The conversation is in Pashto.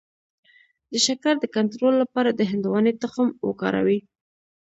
د شکر د کنټرول لپاره د هندواڼې تخم وکاروئ